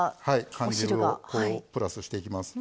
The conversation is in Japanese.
缶汁をプラスしていきます。